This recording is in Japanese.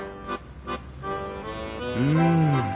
うん。